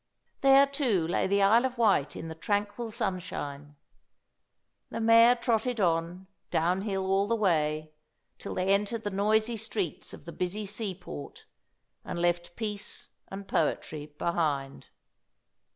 There, too, lay the Isle of Wight in the tranquil sunshine. The mare trotted on, down hill all the way, till they entered the noisy streets of the busy seaport, and left peace and poetry behind.